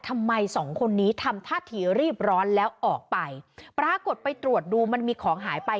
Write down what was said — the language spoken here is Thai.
ทำไมสองคนนี้ทำท่าทีรีบร้อนแล้วออกไปปรากฏไปตรวจดูมันมีของหายไป